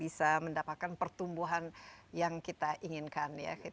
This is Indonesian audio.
bisa mendapatkan pertumbuhan yang kita inginkan ya